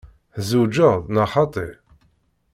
Tzewǧeḍ neɣ xaṭi?